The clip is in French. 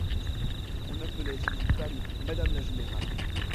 On appelait une femme madame la générale.